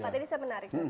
pak ini saya menarik